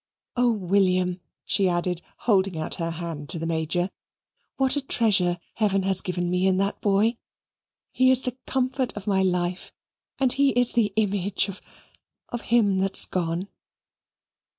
"Oh, William," she added, holding out her hand to the Major, "what a treasure Heaven has given me in that boy! He is the comfort of my life and he is the image of of him that's gone!"